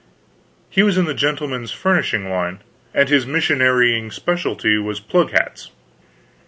He was in the gentlemen's furnishing line, and his missionarying specialty was plug hats.